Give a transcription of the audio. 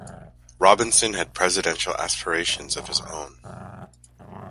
Robinson had presidential aspirations of his own.